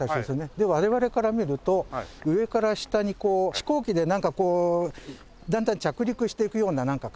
で我々から見ると上から下にこう飛行機でなんかだんだん着陸していくような感じに見えませんかね。